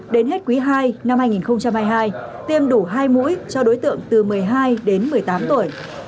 đến hết quý ii năm hai nghìn hai mươi hai tiêm đủ hai mũi cho đối tượng từ một mươi hai đến một mươi tám tuổi